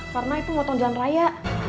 karena itu motong jalan raya